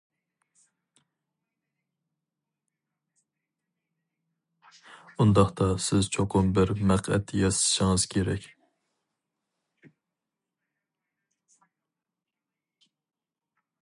-ئۇنداقتا سىز چوقۇم بىر مەقئەت ياسىشىڭىز كېرەك.